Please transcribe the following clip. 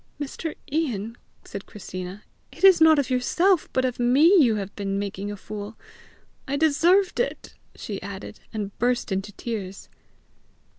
"Mr. Ian," said Christina, "it is not of yourself but of me you have been making a fool. I deserved it!" she added, and burst into tears.